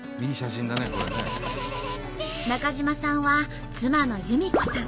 中島さんは妻の由美子さん